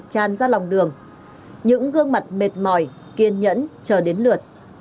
đưa xăng ra lòng đường những gương mặt mệt mỏi kiên nhẫn chờ đến lượt